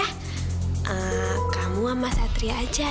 ah kamu sama satria aja